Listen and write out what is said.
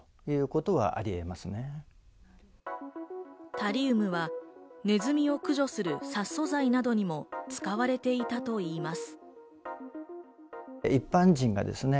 タリウムはネズミを駆除する、殺鼠剤などにも使われていたといいます。